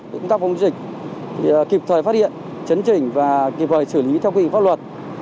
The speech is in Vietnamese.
đảm bảo công tác phòng chống dịch thì kịp thời phát hiện chấn chỉnh và kịp thời xử lý theo quy định pháp luật